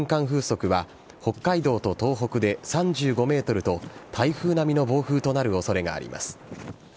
風速は北海道と東北で３５メートルと、台風並みの暴風となるおそれがあります。